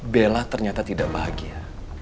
bella ternyata tidak bahagia